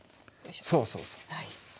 そうそうそう。